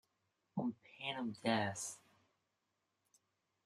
On pain of death.